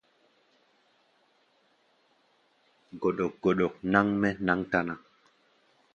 Gɔkdɔk náŋ-mɛ́ náŋ táná.